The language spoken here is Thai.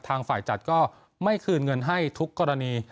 ทางฝ่ายจัดก็ไม่คืนเงินให้ทุกกรณี